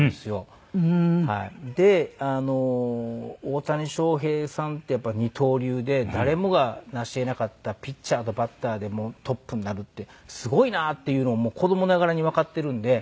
で大谷翔平さんってやっぱり二刀流で誰もが成し得なかったピッチャーとバッターでトップになるってすごいなっていうのをもう子どもながらにわかってるんで。